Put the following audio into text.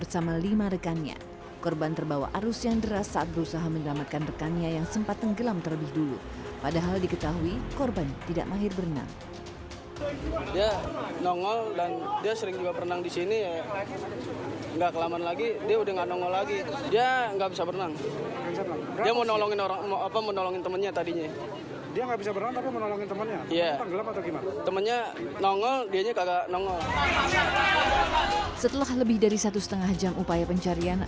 setelah lebih dari satu lima jam upaya pencarian